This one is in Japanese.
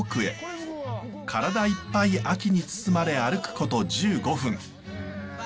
体いっぱい秋に包まれ歩くこと１５分。